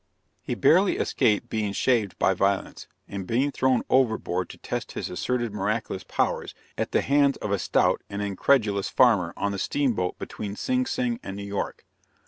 He barely escaped being shaved by violence, and being thrown overboard to test his asserted miraculous powers, at the hands of a stout and incredulous farmer on the steamboat between Sing Sing and New York.